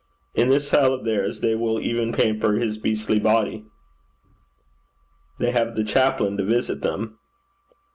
In this hell of theirs they will even pamper his beastly body.' 'They have the chaplain to visit them.'